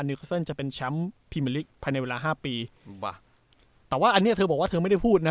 นิวเคอร์เซินจะเป็นแชมป์พีเมริกษ์ภายในเวลาห้าปีว่ะแต่ว่าอันเนี้ยเธอบอกว่าเธอไม่ได้พูดนะ